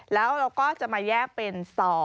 แล้วเราก็จะมาแยกเป็น๒